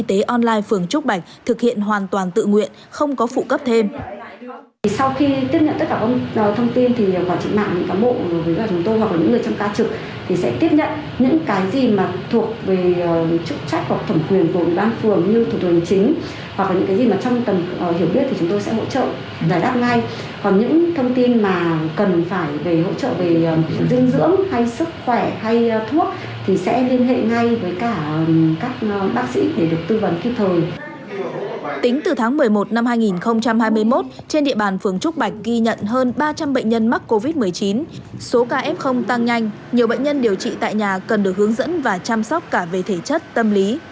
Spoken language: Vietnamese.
tăng nhanh nhiều bệnh nhân điều trị tại nhà cần được hướng dẫn và chăm sóc cả về thể chất tâm lý